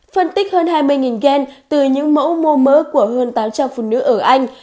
phân tích hơn hai mươi gen từ những mẫu mô mỡ của hơn tám trăm linh phụ nữ ở anh